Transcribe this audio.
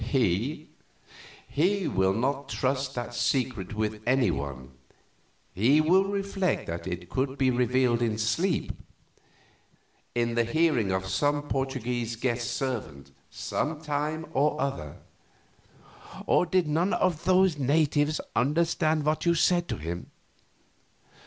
"He? He will not trust that secret with any one; he will reflect that it could be revealed in sleep, in the hearing of some Portuguese guest's servant some time or other." "Did none of those natives understand what you said to him?"